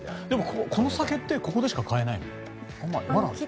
でも、このお酒ってここでしか買えないの？